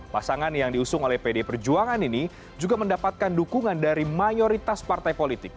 pasangan yang diusung oleh pd perjuangan ini juga mendapatkan dukungan dari mayoritas partai politik